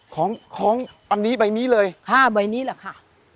คล้องอันนี้ใบนี้เลยค่ะใบนี้แหละค่ะ